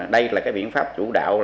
đây là biện pháp chủ đạo